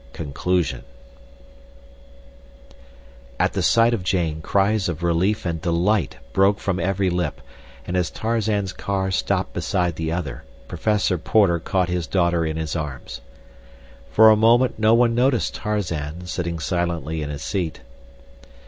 Conclusion At the sight of Jane, cries of relief and delight broke from every lip, and as Tarzan's car stopped beside the other, Professor Porter caught his daughter in his arms. For a moment no one noticed Tarzan, sitting silently in his seat.